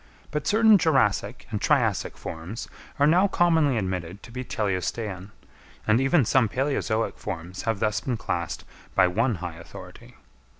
But certain Jurassic and Triassic forms are now commonly admitted to be teleostean; and even some palæozoic forms have thus been classed by one high authority.